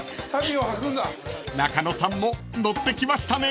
［中野さんもノッてきましたね］